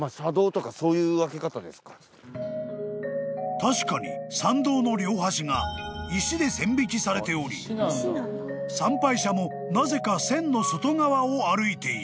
［確かに参道の両端が石で線引きされており参拝者もなぜか線の外側を歩いている］